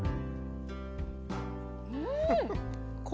うん！